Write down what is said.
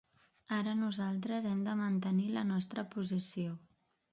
Ara nosaltres hem de mantenir la nostra posició.